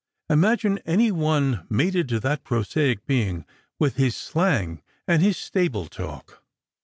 " Imagine any one mated to that prosaic being, with his slang and his stable talk